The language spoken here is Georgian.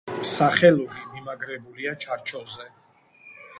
სახელური მიმაგრებულია ჩარჩოზე.